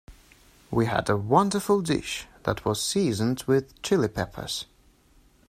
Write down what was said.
We had a wonderful dish that was seasoned with Chili Peppers.